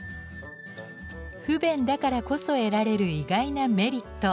不便だからこそ得られる意外なメリット。